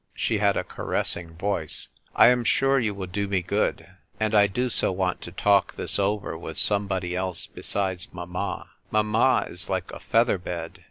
She had a caressing voice. " I am sure you will do me good. And I do so want to talk this over with somebody else besides mamma. Mamma is like a feather bed.